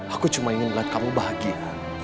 aku cuma ingin melihat kamu bahagia